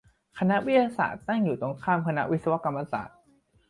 คณะวิทยาศาสตร์ ตั้งอยู่ตรงข้ามคณะวิศวกรรมศาสตร์